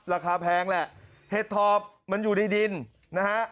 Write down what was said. แพงแหละเห็ดทอบมันอยู่ในดินนะฮะ